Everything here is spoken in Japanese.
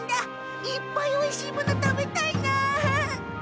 いっぱいおいしいもの食べたいな。